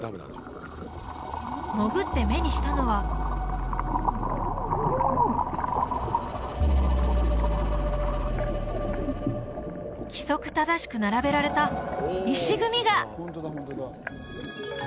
潜って目にしたのは規則正しく並べられた石組みが！